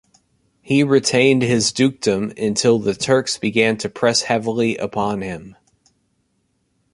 He retained his dukedom until the Turks began to press heavily upon him.